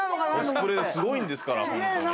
コスプレすごいんですから。